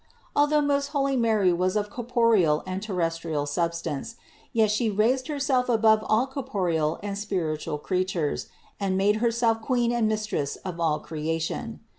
Although most holy Mary was of corporeal and terres trial substance, yet She raised Herself above all corporeal and spiritual creatures, and made Herself Queen and Mistress of all creation.